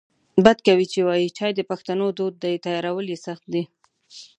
بد کوي چې وایې چای د پښتنو دود دی تیارول یې سخت دی